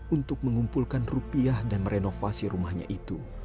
untuk mengumpulkan rupiah dan merenovasi rumahnya itu